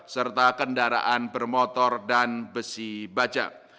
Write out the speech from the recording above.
serta kendaraan bermotor dan besi baja